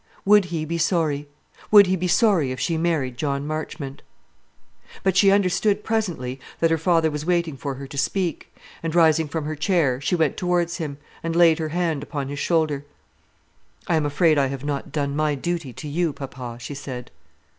Would he be sorry? would he be sorry if she married John Marchmont? But she understood presently that her father was waiting for her to speak; and, rising from her chair, she went towards him, and laid her hand upon his shoulder. "I am afraid I have not done my duty to you, papa," she said.